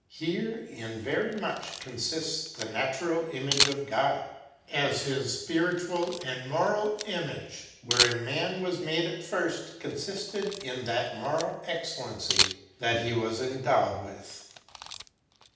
Here in very much consists the natural image of God ; as his spiritual and moral image, wherein man was made at first, consisted in that moral excellency that he was endowed with.